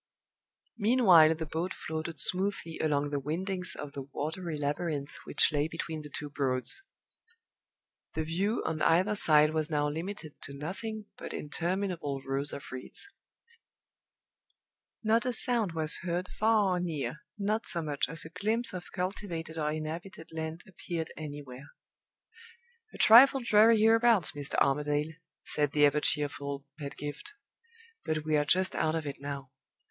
Meanwhile the boat floated smoothly along the windings of the watery labyrinth which lay between the two Broads. The view on either side was now limited to nothing but interminable rows of reeds. Not a sound was heard, far or near; not so much as a glimpse of cultivated or inhabited land appeared anywhere. "A trifle dreary hereabouts, Mr. Armadale," said the ever cheerful Pedgift. "But we are just out of it now.